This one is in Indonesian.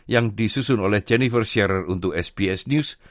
yang disusun oleh jennifer share untuk sbs news